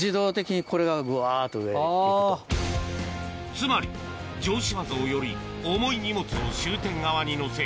つまり城島像より重い荷物を終点側に載せ